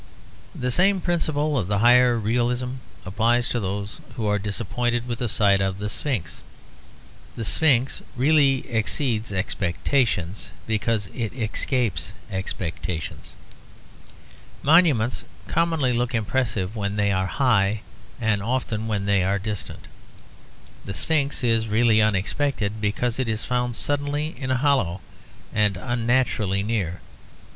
The same principle of the higher realism applies to those who are disappointed with the sight of the Sphinx. The Sphinx really exceeds expectations because it escapes expectations. Monuments commonly look impressive when they are high and often when they are distant. The Sphinx is really unexpected, because it is found suddenly in a hollow, and unnaturally near.